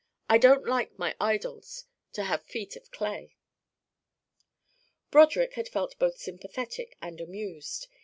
I don't like my idols to have feet of clay." Broderick had felt both sympathetic and amused.